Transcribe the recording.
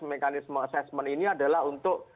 mekanisme assessment ini adalah untuk